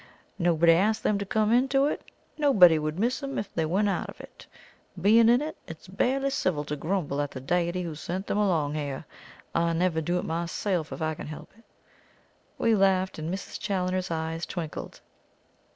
Nobody asked them to come into it nobody would miss them if they went out of it. Being in it, it's barely civil to grumble at the Deity who sent them along here. I never do it myself if I can help it." We laughed, and Mrs. Challoner's eyes twinkled.